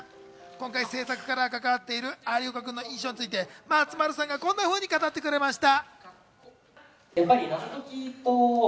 制作から関わっている有岡くんの印象について松丸さんがこんなふうに語ってくれました。